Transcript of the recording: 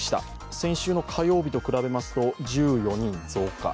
先週の火曜日と比べますと１４人増加。